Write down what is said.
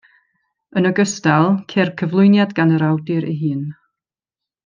Yn ogystal, ceir cyflwyniad gan yr awdur ei hun.